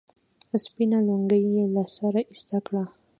سپينه لونگۍ يې له سره ايسته کړه.